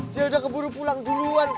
dia udah keburu pulang duluan